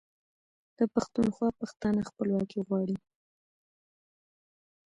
د پښتونخوا پښتانه خپلواکي غواړي.